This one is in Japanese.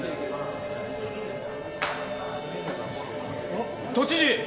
あっ都知事！